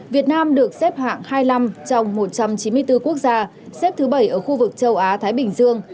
việt nam được xếp hạng hai mươi năm trong một trăm chín mươi bốn quốc gia xếp thứ bảy ở khu vực châu á thái bình dương